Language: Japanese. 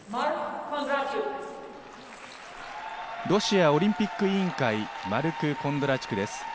ロシアオリンピック委員会、マルク・コンドラチュクです。